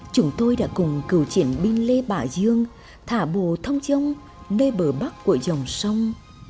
chúng tôi đã cùng cựu triển binh lê bảo dương thả bồ thông chông nơi bờ bắc của dòng sông